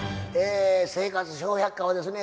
「生活笑百科」はですね